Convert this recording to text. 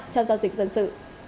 dịch dân sự